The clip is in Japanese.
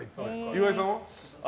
岩井さんは？